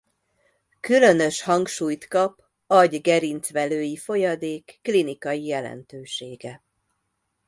Különös hangsúlyt kap agy-gerincvelői folyadék klinikai jelentősége.